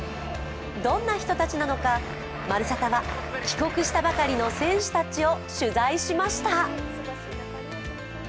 どんな人たちなのか、「まるサタ」は帰国したばかりの選手たちを取材しました。